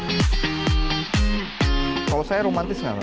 kalau saya romantis nggak mas